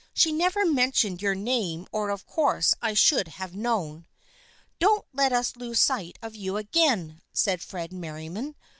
She never mentioned your first name or of course I should have known." " Don't let us lose sight of you again," said Fred Merriam.